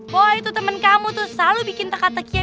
boy itu temen kamu tuh selalu bikin teka tekian